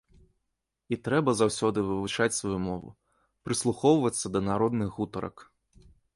І трэба заўсёды вывучаць сваю мову, прыслухоўвацца да народных гутарак.